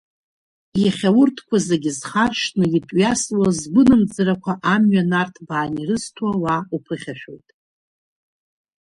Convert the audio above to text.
Иахьа урҭқәа зегьы зхаршҭны итәҩасуа, згәынамӡарақәа амҩа нарҭбааны ирызҭо ауаа уԥыхьашәоит.